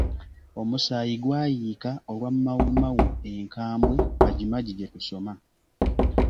"Omusayi gwayiika Olwa Mau Mau enkambwe, MajiMaji gye tusoma"